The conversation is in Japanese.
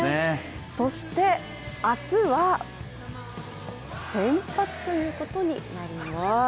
そして明日は先発ということになります。